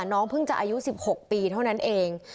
น้องเพิ่งจะอายุ๑๖ปีเท่านั้นเอง